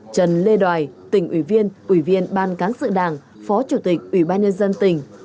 trần lê tỉnh ủy viên ủy viên ban cán sự đảng phó chủ tịch ủy ban nhân dân tỉnh